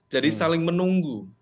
jadi saling menunggu